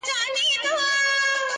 o چي نه مرو، لا به واورو.